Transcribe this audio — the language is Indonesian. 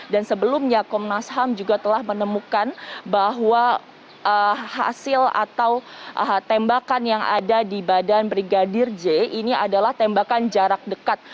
dan sebelumnya komnas ham juga telah menemukan bahwa hasil atau tembakan yang ada di badan brigadir j ini adalah tembakan jarak dekat